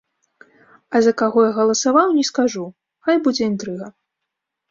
А за каго я галасаваў, не скажу, хай будзе інтрыга.